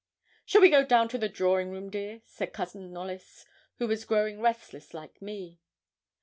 'Shall we go down to the drawing room, dear?' said Cousin Knollys, who was growing restless like me.